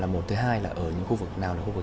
một thứ hai là ở những khu vực nào đó